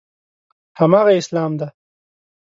هماغه اسلام دی.